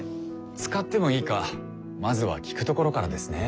使ってもいいかまずは聞くところからですね。